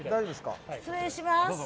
失礼します。